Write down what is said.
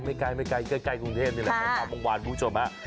ไม่ไกลใกล้แหละบางวานที่คุณเปิดมา